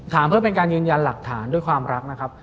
เพื่อเป็นการยืนยันหลักฐานด้วยความรักนะครับ